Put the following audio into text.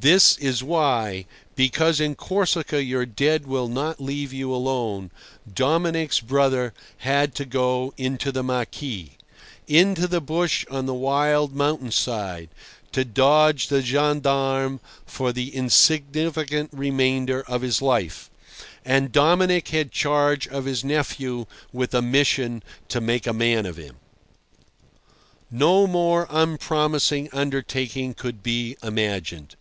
This is why—because in Corsica your dead will not leave you alone—Dominic's brother had to go into the maquis, into the bush on the wild mountain side, to dodge the gendarmes for the insignificant remainder of his life, and Dominic had charge of his nephew with a mission to make a man of him. No more unpromising undertaking could be imagined.